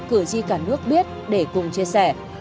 cử tri cả nước biết để cùng chia sẻ